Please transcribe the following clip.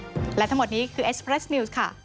โปรดติดตามตอนต่อไป